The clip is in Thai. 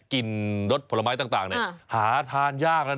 รสผลไม้ต่างหาทานยากแล้วนะ